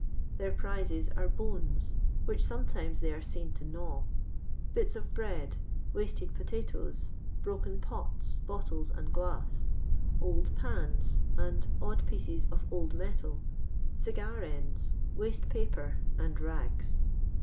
Their prizt^ aw bones (wlii'jh sometimes they are seen to gnaw); bits of bread; wasted pwtat».H s; broken pots, bottles, and glass; old pans and odd pieees of old metal ; ci;,'ar ends ; waste paper, , and rags.